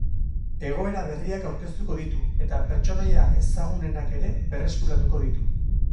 Egoera berriak aurkeztuko ditu, eta pertsonaia ezagunenak ere berreskuratuko ditu.